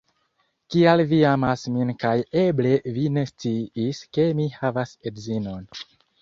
Kial vi amas min kaj eble vi ne sciis ke mi havas edzinon